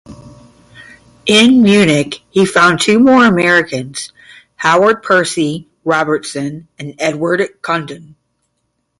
In Munich, he found two more Americans, Howard Percy Robertson and Edward Condon.